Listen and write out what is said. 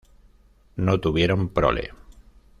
No tuvieron prole.